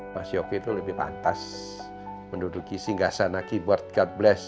mas yoki itu lebih pantas menduduki singgah sana keyboard god bless